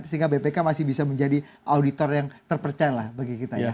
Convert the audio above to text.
sehingga bpk masih bisa menjadi auditor yang terpercaya lah bagi kita ya